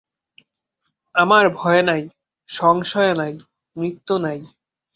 আমার ভয় নাই, সংশয় নাই, মৃত্যু নাই।